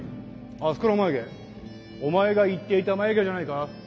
あそこの眉毛お前が言っていた眉毛じゃないか？